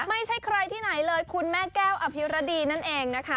ไม่ใช่ใครที่ไหนเลยคุณแม่แก้วอภิรดีนั่นเองนะคะ